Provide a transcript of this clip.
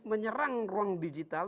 menyerang ruang digital